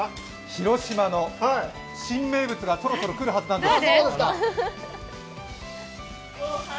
広島の新名物がそろそろ来るはずなんです。